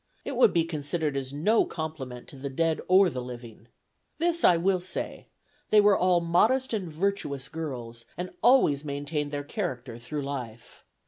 It would be considered as no compliment to the dead or the living. This, I will say: they were all modest and virtuous girls, and always maintained their character through life.